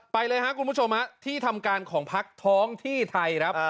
ไปเลยครับคุณผู้ชมที่ทำการของพักท้องที่ไทยครับ